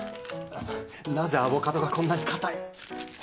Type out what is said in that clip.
なぜアボカドがこんなに硬い。